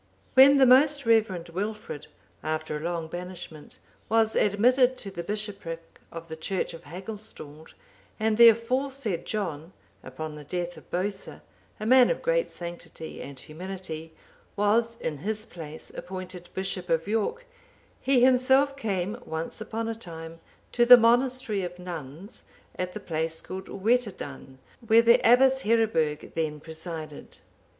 When the most reverend Wilfrid, after a long banishment, was admitted to the bishopric of the church of Hagustald,(778) and the aforesaid John, upon the death of Bosa,(779) a man of great sanctity and humility, was, in his place, appointed bishop of York, he himself came, once upon a time, to the monastery of nuns, at the place called Wetadun,(780) where the Abbess Heriburg then presided.